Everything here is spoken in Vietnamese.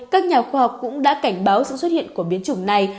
các nhà khoa học cũng đã cảnh báo sự xuất hiện của biến chủng này